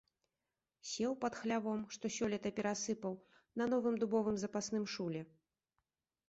Сеў пад хлявом, што сёлета перасыпаў, на новым дубовым запасным шуле.